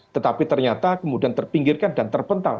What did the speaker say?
tetapi ternyata kemudian terpinggirkan dan terpental